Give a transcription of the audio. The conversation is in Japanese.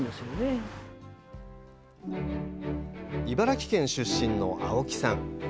茨城県出身の青木さん。